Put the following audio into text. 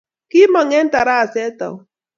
Kimong eng taraset au?